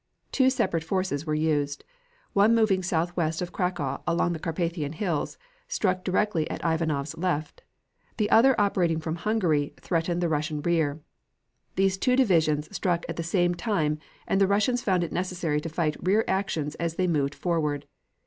Two separate forces were used; one moving southwest of Cracow along the Carpathian hills, struck directly at Ivanov's left; the other, operating from Hungary, threatened the Russian rear. These two divisions struck at the same time and the Russians found it necessary to fight rear actions as they moved forward.